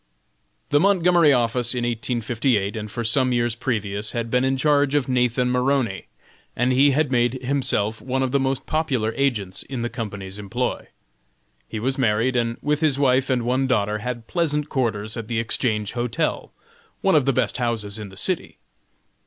The Montgomery office in 1858, and for some years previous, had been in charge of Nathan Maroney, and he had made himself one of the most popular agents in the company's employ. He was married, and with his wife and one daughter, had pleasant quarters at the Exchange Hotel, one of the best houses in the city.